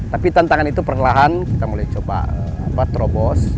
tapi tantangan itu perlahan kita mulai coba terobos